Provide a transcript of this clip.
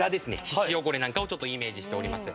皮脂汚れなんかをイメージしております。